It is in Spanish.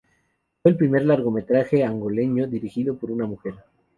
Fue el primer largometraje angoleño dirigido por una mujer.